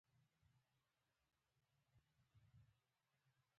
د روسانو علاقه په ګاز او تیلو کې شته؟